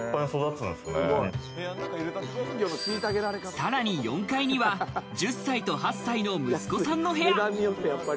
さらに４階には１０歳と８歳の息子さんの部屋。